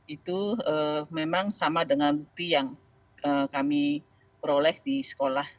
itu memang sama dengan bukti yang kami peroleh di sekolah